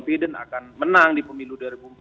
confident akan menang di pemilu dua ribu empat